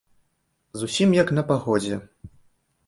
Зусім, як на паходзе.